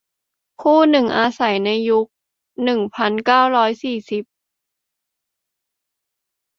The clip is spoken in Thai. คู่หนึ่งอาศัยในยุค หนึ่งพันเก้าร้อยสี่สิบ